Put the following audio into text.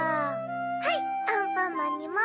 はいアンパンマンにも。